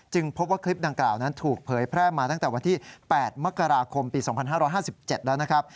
พบว่าคลิปดังกล่าวนั้นถูกเผยแพร่มาตั้งแต่วันที่๘มกราคมปี๒๕๕๗แล้วนะครับ